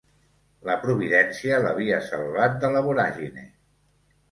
La providència l'havia salvat de la voràgine.